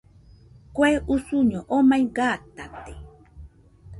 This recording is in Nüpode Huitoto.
Kue usuño omai gatate